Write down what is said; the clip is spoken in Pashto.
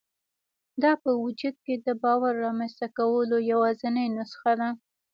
دا په وجود کې د باور رامنځته کولو یوازېنۍ نسخه ده